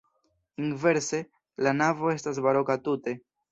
Inverse, la navo estas baroka tute.